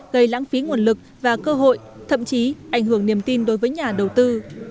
gây lãng phí nguồn lực và cơ hội thậm chí ảnh hưởng niềm tin đối với nhà đầu tư